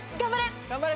頑張れ！